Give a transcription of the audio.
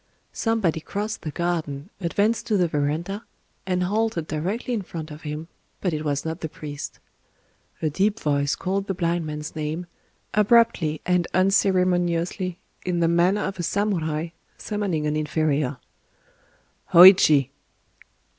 Somebody crossed the garden, advanced to the verandah, and halted directly in front of him—but it was not the priest. A deep voice called the blind man's name—abruptly and unceremoniously, in the manner of a samurai summoning an inferior:— "Hōïchi!"